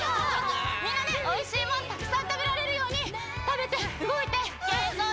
みんなねおいしいもんたくさんたべられるようにたべてうごいてけんこう